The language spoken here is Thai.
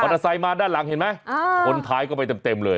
อุตสัยมาด้านหลังเห็นไหมทนท้ายเข้าไปเต็มเลย